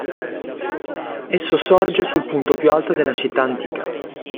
Esso sorge sul punto più alto della città antica.